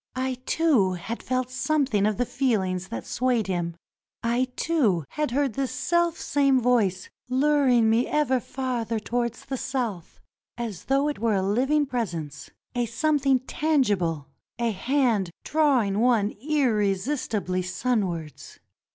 I, too, had felt something of the feel ings that swayed him. I, too, had heard the selfsame 359 NORTHERN AFRICA voice luring me ever farther towards the South , as though it were a hving presence, a something tangible, a hand drawing one irresistibly sunwards.